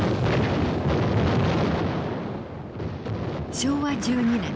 昭和１２年。